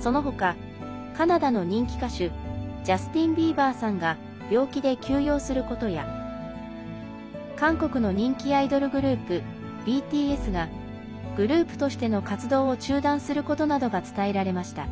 そのほか、カナダの人気歌手ジャスティン・ビーバーさんが病気で休養することや韓国の人気アイドルグループＢＴＳがグループとしての活動を中断することなどが伝えられました。